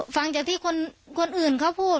ฟังจากที่คนอื่นเขาพูด